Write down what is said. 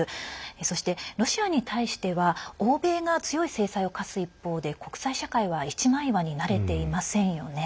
そして、ロシアに対しては欧米が強い制裁を科す一方で国際社会は一枚岩になれていませんよね。